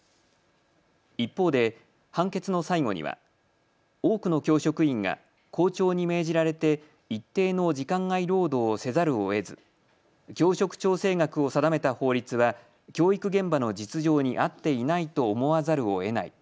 一方で判決の最後には多くの教職員が校長に命じられて一定の時間外労働をせざるをえず教職調整額を定めた法律は教育現場の実情に合っていないと思わざるをえない。